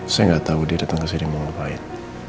saya ga tau dia dateng kesini mau ngapain